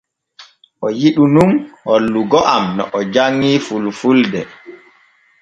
O yiɗu nun hollugo am no o janŋii fulfulde.